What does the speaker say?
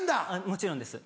もちろんです。